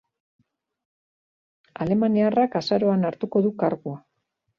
Alemaniarrak azaroan hartuko du kargua.